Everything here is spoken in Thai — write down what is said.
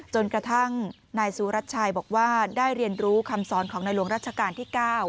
จนกระทั่งนายสุรัติชัยบอกว่าได้เรียนรู้คำสอนของในหลวงรัชกาลที่๙